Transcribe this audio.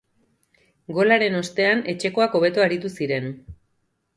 Golaren ostean, etxekoak hobeto aritu ziren.